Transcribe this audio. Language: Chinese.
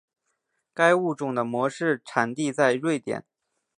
该物种的模式产地在瑞典。